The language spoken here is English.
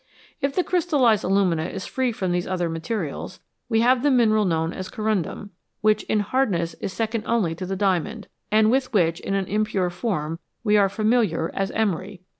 If the crystallised alumina is free from these other materials, we have the mineral known as corundum, which in hardness is second only to the diamond, and with which, in an impure form, we are familiar as emery.